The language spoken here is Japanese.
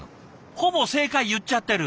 ほぼ正解言っちゃってる。